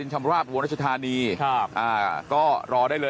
ใช่ค่ะ